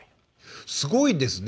すごいですね。